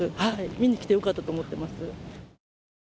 見に来てよかったと思ってます。